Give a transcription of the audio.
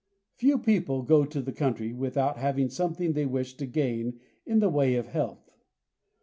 Few people go to the country without having something they wish to gain in the way of health.